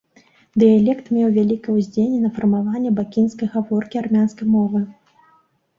Дыялект меў вялікае ўздзеянне на фармаванне бакінскай гаворкі армянскай мовы.